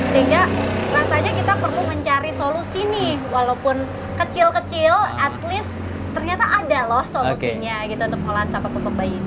sehingga rasanya kita perlu mencari solusi nih walaupun kecil kecil at least ternyata ada loh solusinya gitu untuk ngelansa papa bayi ini